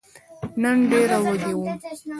نن ډېر وږی وم !